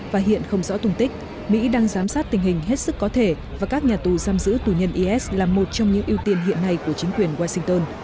và hiện không rõ tùng tích mỹ đang giám sát tình hình hết sức có thể và các nhà tù giam giữ tù nhân is là một trong những ưu tiên hiện nay của chính quyền washington